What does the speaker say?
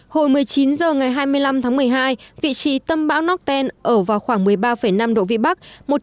hồi một mươi chín h ngày hai mươi năm tháng một mươi hai vị trí tâm bão nọcten ở vào khoảng một mươi ba năm độ vĩ bắc